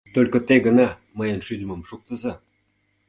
Только те гына мыйын шӱдымым шуктыза.